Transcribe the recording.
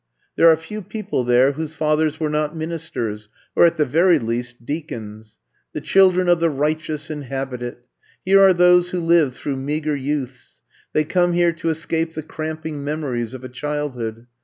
There are few people there whose fathers were not ministers,, or at the very least, deacons. The children of the righteous inhabit it. Here are those who lived through meager youths. They come here to escape the cramping memories of a childhood.